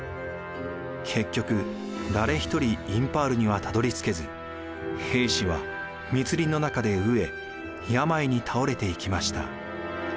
結局誰一人インパールにはたどりつけず兵士は密林の中で飢え病に倒れていきました。